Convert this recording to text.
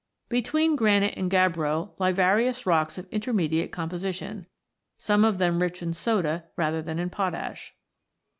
Between granite and gabbro lie various rocks of intermediate composition, some of them rich in soda rather than in potash.